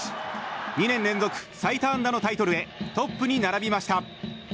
２年連続最多安打のタイトルへトップに並びました。